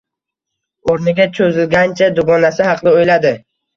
O`rniga cho`zilgancha dugonasi haqida o`yladi